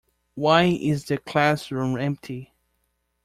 Why is the classroom empty?